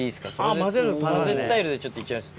混ぜスタイルでいっちゃいます。